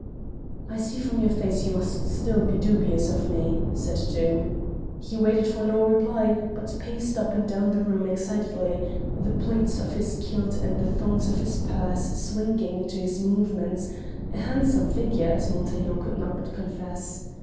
"I see from your face you must still be dubious of me," said Doom. He waited for no reply, but paced up and down the room excitedly, the pleats of his kilt and the thongs of his purse swinging to his movements: a handsome figure, as Mont aiglon could not but confess.